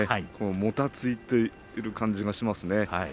もたついている感じがしますね。